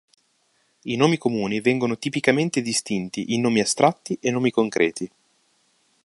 I nomi comuni vengono tipicamente distinti in nomi astratti e nomi concreti.